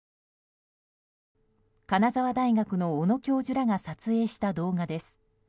金沢大学の小野教授らが撮影した動画です。